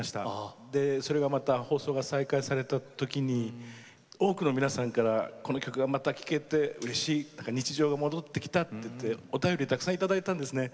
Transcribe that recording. でそれがまた放送が再開された時に多くの皆さんからこの曲がまた聴けてうれしい日常が戻ってきたっていってお便りたくさん頂いたんですね。